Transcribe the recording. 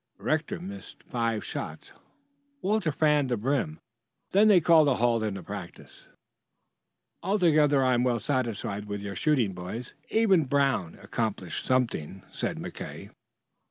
Rector missed five shots. Walter fanned the rim, then they called a halt in the practice. "Altogether I am well satisfied with your shooting, boys. Even Brown accomplished something," said McKay.